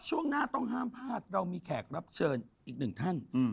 ช่วงหน้าต้องห้ามพลาดเรามีแขกรับเชิญอีกหนึ่งท่าน